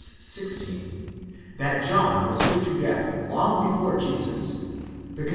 16, that John was put to death long before Jesus, the con